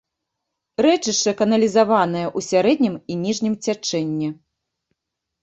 Рэчышча каналізаванае ў сярэднім і ніжнім цячэнні.